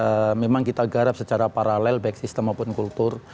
baik sistem maupun kultur memang kita garap secara paralel baik sistem maupun kultur